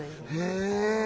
へえ。